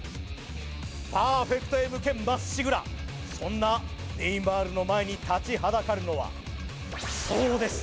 パーフェクトへ向けまっしぐらそんなネイマールの前に立ちはだかるのはそうです